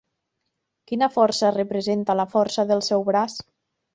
Quina força representa la força del seu braç?